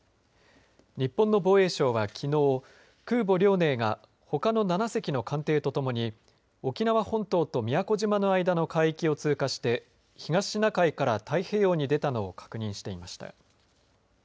日本の防衛省は、きのう空母遼寧がほかの７隻の艦艇とともに沖縄本島と宮古島の間の海域を通過して東シナ海から太平洋に出たのを確認していました。